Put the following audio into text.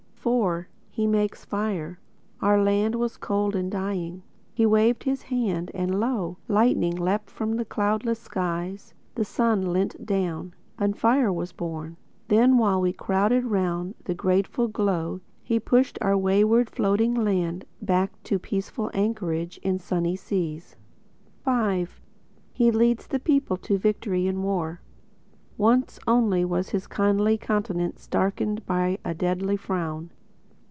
IV (He Makes Fire) Our land was cold and dying. He waved his hand and lo! Lightning leapt from cloudless skies; The sun leant down; And Fire was born! Then while we crowded round The grateful glow, pushed he Our wayward, floating land Back to peaceful anchorage In sunny seas. V (He Leads The People To Victory in War) Once only Was his kindly countenance Darkened by a deadly frown.